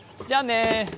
じゃあね。